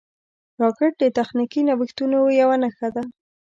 راکټ د تخنیکي نوښتونو یوه نښه ده